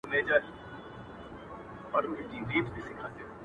o هغې ته هره لاره بنده ښکاري او ځان يوازي احساسوي,